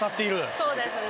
そうですね。